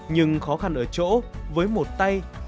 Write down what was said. nhưng khó khăn ở chỗ với một tay